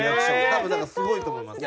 多分だからすごいと思います。